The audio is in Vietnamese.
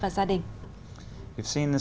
và gia đình